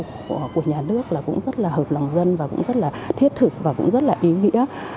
chính phủ của nhà nước cũng rất là hợp lòng dân và cũng rất là thiết thực và cũng rất là ý nghĩa